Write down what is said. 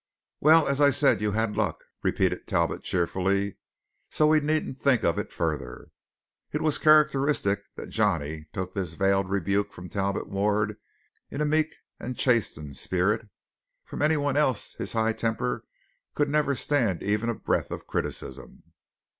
"Well, as I said, you had luck," repeated Talbot cheerfully, "so we needn't think of it further." It was characteristic that Johnny took this veiled rebuke from Talbot Ward in a meek and chastened spirit; from any one else his high temper could never stand even a breath of criticism.